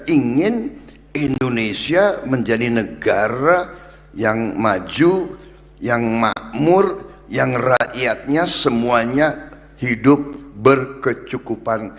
ingin indonesia menjadi negara yang maju yang makmur yang rakyatnya semuanya hidup berkecukupan